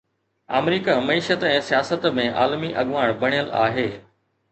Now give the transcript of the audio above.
آمريڪا معيشت ۽ سياست ۾ عالمي اڳواڻ بڻيل آهي.